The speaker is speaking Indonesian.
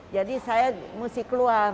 jadi saya mesti keluar